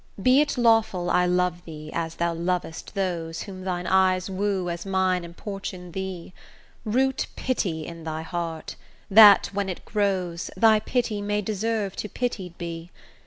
Be it lawful I love thee, as thou lov'st those Whom thine eyes woo as mine importune thee: Root pity in thy heart, that, when it grows, Thy pity may deserve to pitied be.